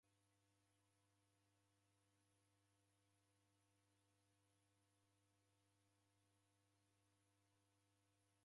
Ni wada wele, se koko mana kwanyama kii huwo?